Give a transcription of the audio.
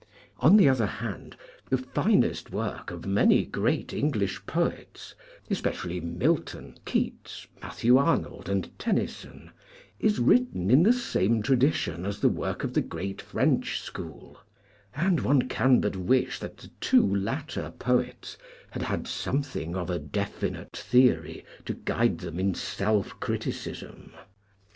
On the other hand, the finest work of many great English poets, especially Milton, Keats, Matthew Arnold, and Tennyson, is written in the same tradi tion as the work of the great French school : and one can but wish that the two latter poets had had some thing of a definite theory to guide them in self criticism.